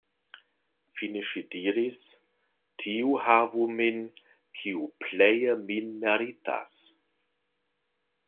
Fine ŝi diris: "Tiu havu min, kiu pleje min meritas".